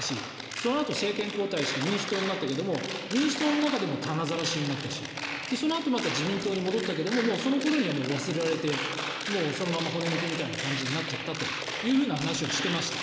そのあと、政権交代して民主党になったけど民主党の中でもたなざらしになったしそのあとまた自民党に戻ったけどその頃には忘れられてもうそのまま骨抜きみたいな感じになっちゃったという話をしてました。